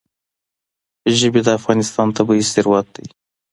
ژبې د افغانستان طبعي ثروت دی.